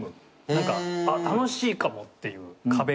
何かあっ楽しいかもっていう壁みたいな。